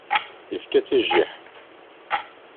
Ifka-tt i jjiḥ.